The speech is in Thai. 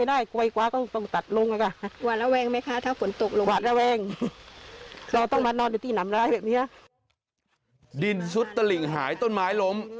ดินซุดตลิ่งหายต้นไม้ล้ม